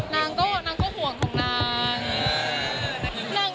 นางก็ห่วงของนาง